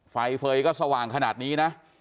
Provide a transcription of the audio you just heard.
ไฟเฟย์ก็สว่างขนาดนี้นะ